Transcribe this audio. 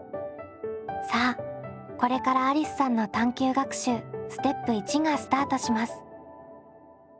さあこれからありすさんの探究学習ステップ①がスタートします。